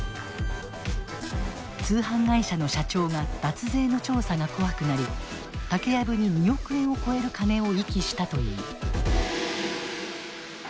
通販会社の社長が脱税の調査が怖くなり竹やぶに２億円を超える金を遺棄したという。